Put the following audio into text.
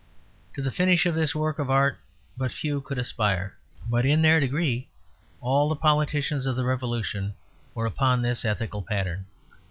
To the finish of this work of art but few could aspire, but in their degree all the politicians of the Revolution were upon this ethical pattern.